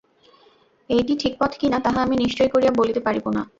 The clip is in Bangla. এইটি ঠিক পথ কিনা, তাহা আমি নিশ্চয় করিয়া বলিতে পারিব না।